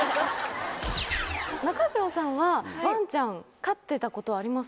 中条さんはワンちゃん飼ってたことありますか？